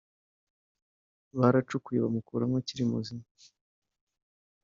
baracukuye bamukuramo akiri muzima